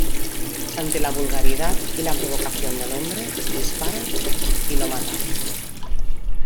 Ante la vulgaridad y la provocación del hombre, dispara y lo mata.